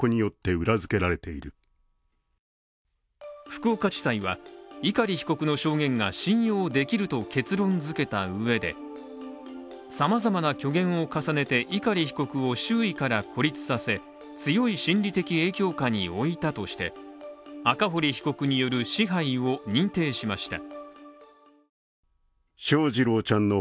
福岡地裁は碇被告の証言が信用できると結論づけたうえで、さまざまな虚言を重ねて碇被告を周囲から孤立させ強い心理的影響下に置いたとして赤堀被告による支配を認定しました。